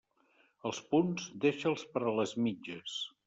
Els punts, deixa'ls per a les mitges.